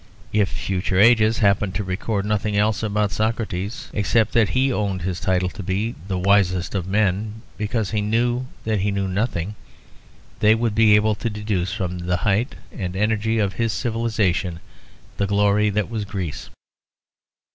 If future ages happened to record nothing else about Socrates except that he owned his title to be the wisest of men because he knew that he knew nothing, they would be able to deduce from that the height and energy of his civilisation, the glory that was Greece.